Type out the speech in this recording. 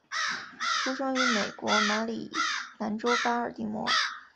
出生于美国马里兰州巴尔的摩。